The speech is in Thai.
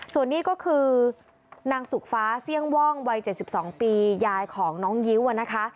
ส่วนนี้ก็คือนางสุกฟ้าเสี่ยงว่องวัย๗๒ปียายของน้องยิ้วนะคะ